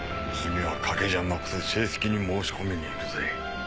次は賭けじゃなくて正式に申し込みに行くぜ。